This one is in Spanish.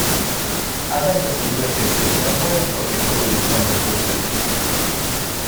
Adam le asegura que el sexo no es lo que todos los hombres buscan.